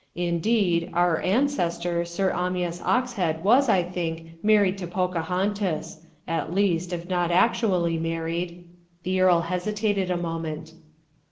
Indeed, our ancestor Sir Amyas Oxhead was, I think, married to Pocahontas at least if not actually married" the earl hesitated a moment.